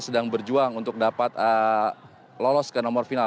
sedang berjuang untuk dapat lolos ke nomor final